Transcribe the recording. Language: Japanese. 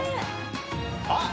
あっ！